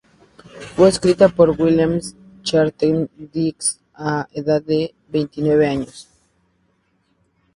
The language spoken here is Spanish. Fue escrita por William Chatterton Dix a a edad de veintinueve años.